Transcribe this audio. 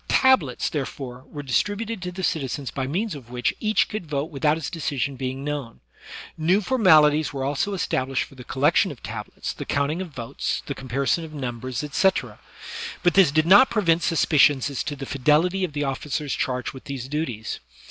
Tablets, therefore, were distributed to the citizens by means of which each could vote without his decision being known; new formalities were also established for the collection of tablets, the counting of votes, the com parison of numbers, etc. ; but this did not prevent suspicions as to the fidelity of the officers charged with these duties.